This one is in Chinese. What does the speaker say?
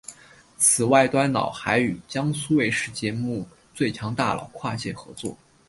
此外端脑还与江苏卫视节目最强大脑跨界合作。